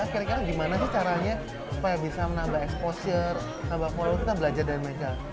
akhirnya gimana sih caranya supaya bisa menambah exposure menambah follower kita belajar dari mereka